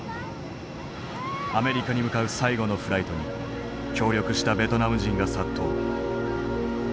アメリカに向かう最後のフライトに協力したベトナム人が殺到。